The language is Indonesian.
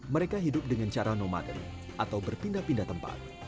mereka hidup dengan cara nomadhan atau berpindah pindah tempat